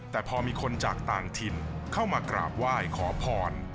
แต่พอมีคนจากต่างถิ่นเข้ามากราบไหว้ขอพร